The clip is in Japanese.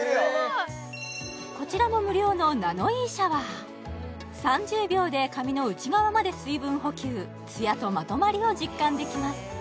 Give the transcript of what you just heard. こちらも無料のナノイーシャワー３０秒で髪の内側まで水分補給つやとまとまりを実感できます